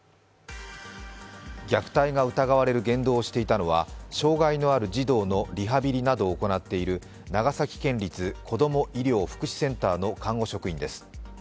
虐待が疑われる言動をしていたのは障害のある児童のリハビリなどを行っている長崎県立こども医療福祉センターの看護職員です。